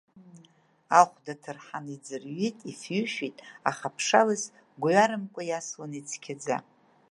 Ахәда ҭырҳан иӡырҩит, ифҩышәеит, аха аԥшалас гәҩарамкәа иасуан ицқьаӡа.